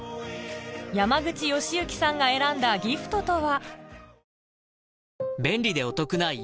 山口祥行さんが選んだギフトとは？